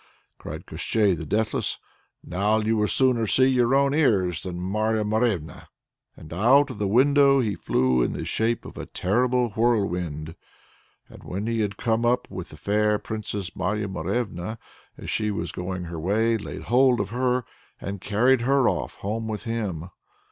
cried Koshchei the deathless, "now you will sooner see your own ears than Marya Morevna!" and out of the window he flew in the shape of a terrible whirlwind. And he came up with the fair Princess Marya Morevna as she was going her way, laid hold of her, and carried her off home with him.